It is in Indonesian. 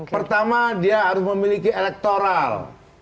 pertama dia harus memiliki elektoral